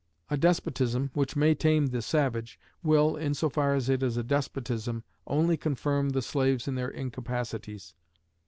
A despotism, which may tame the savage, will, in so far as it is a despotism, only confirm the slaves in their incapacities.